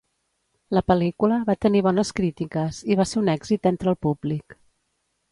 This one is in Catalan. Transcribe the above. La pel·lícula va tenir bones crítiques i va ser un èxit entre el públic.